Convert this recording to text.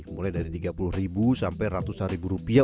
mulai dari tiga puluh sampai ratusan ribu rupiah